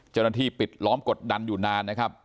เจ้าหน้าที่ปิดล้อมกดดันอยู่นานนะครับ